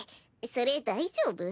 それ大丈夫？